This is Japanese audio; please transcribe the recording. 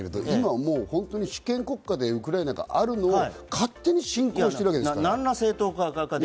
今はもう主権国家でウクライナがあるのを勝手に侵攻しているわけですから。